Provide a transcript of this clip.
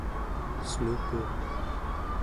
snuukuuq